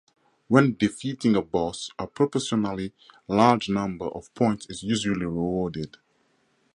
When defeating a boss, a proportionally large number of points is usually rewarded.